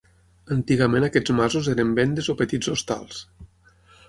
Antigament aquests masos eren vendes o petits hostals.